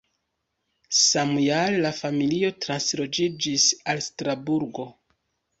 Samjare la familio transloĝiĝis al Strasburgo.